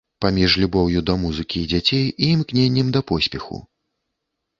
Паміж любоўю да музыкі і дзяцей і імкненнем да поспеху.